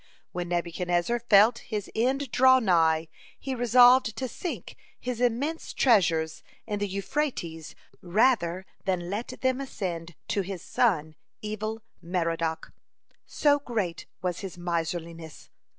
When Nebuchadnezzar felt his end draw nigh, he resolved to sink his immense treasures in the Euphrates rather than let them ascend to his son Evil merodach, so great was his miserliness.